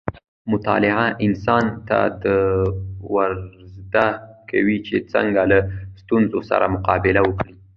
مطالعه انسان ته دا ورزده کوي چې څنګه له ستونزو سره مقابله وکړي.